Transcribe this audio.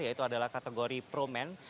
yaitu adalah kategori pro men